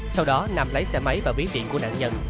sau đó nam lấy xe máy vào ví điện của nạn nhân